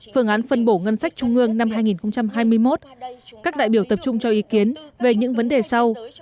phương án phân bổ ngân sách trung ương năm hai nghìn hai mươi một các đại biểu tập trung cho ý kiến về những vấn đề sau